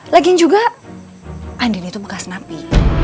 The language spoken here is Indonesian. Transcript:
lagian juga andin itu bekas napi